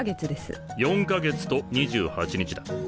４か月と２８日だ。